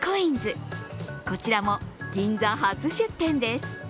こちらも銀座初出店です。